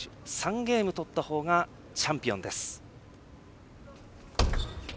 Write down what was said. ゲーム取った方がチャンピオンです。